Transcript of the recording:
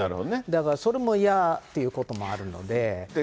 だからそれも嫌ということもあるので。